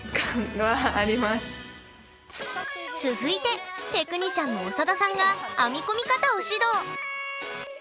続いてテクニシャンの長田さんが編み込み方を指導！